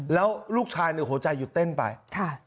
แล้วลูกชายเนี่ยหัวใจหยุดเต้นไป